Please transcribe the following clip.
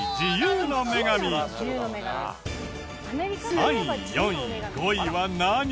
３位４位５位は何？